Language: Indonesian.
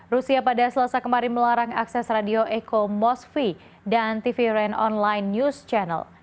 rusia pada selesai kemarin melarang akses radio eko mosfi dan tv rhein online news channel